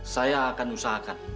saya akan usahakan